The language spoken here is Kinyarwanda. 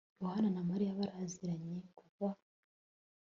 yohana na mariya baraziranye kuva